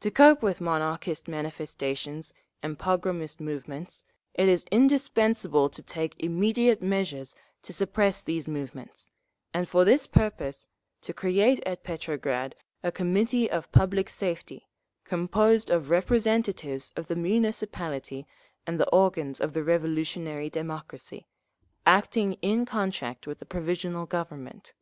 To cope with Monarchist manifestations and pogromist movements, it is indispensable to take immediate measures to suppress these movements, and for this purpose to create at Petrograd a Committee of Public Safety, composed of representatives of the Municipality and the organs of the revolutionary democracy, acting in contact with the Provisional Government….